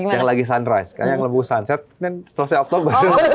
yang lagi sunrise karena yang lembu sunset selesai oktober